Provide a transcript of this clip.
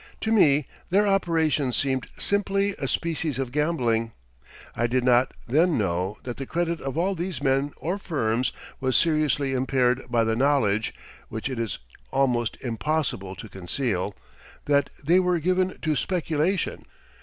To me their operations seemed simply a species of gambling. I did not then know that the credit of all these men or firms was seriously impaired by the knowledge (which it is almost impossible to conceal) that they were given to speculation.